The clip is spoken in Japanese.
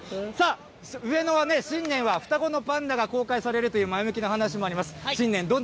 上野は、新年は双子のパンダが公開されるという前向きな話もあります。